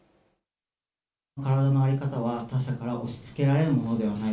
体の在り方は、他者から押しつけられるものではない。